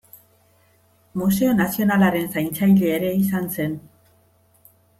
Museo Nazionalaren zaintzaile ere izan zen.